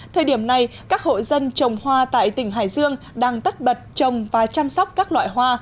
thời điểm này các hộ dân trồng hoa tại tỉnh hải dương đang tất bật trồng và chăm sóc các loại hoa